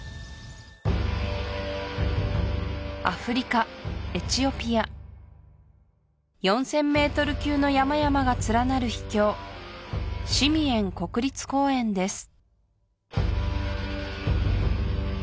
アフリカエチオピア４０００ｍ級の山々が連なる秘境シミエン国立公園です